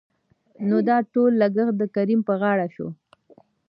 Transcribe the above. نو دا ټول لګښت دکريم په غاړه شو.